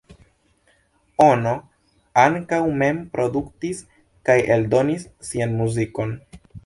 Ono ankaŭ mem produktis kaj eldonis sian muzikon.